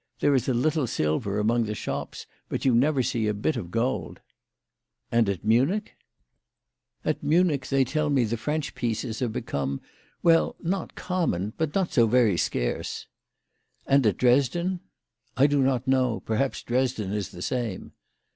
"There is a little silver among the shops, but you nfcver see a bit of gold." " And at Munich ?" 82 WHY FRATJ FROHMANN RAISED HER PRICES. " At Munich they tell me the French pieces have become well, not common, but not so very scarce." "And at Dresden?" " I do not know. Perhaps Dresden is the same."